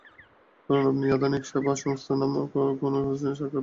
ধরুন আপনি আধুনিক সেবা সংস্থা নামক কোনো প্রতিষ্ঠানে সাক্ষাৎ করতে চাইছেন।